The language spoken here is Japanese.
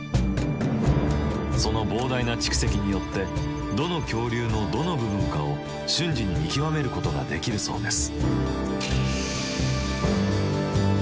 その膨大な蓄積によってどの恐竜のどの部分かを瞬時に見極めることができるそうです。